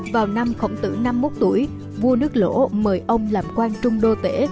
vào năm khổng tử năm mươi một tuổi vua nước lỗ mời ông làm quang trung đô tể